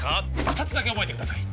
二つだけ覚えてください